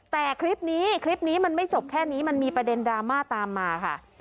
แต่คลิปนี้คลิปนี้มันไม่จบแค่นี้มันมีประเด็นดราม่าตามมาค่ะ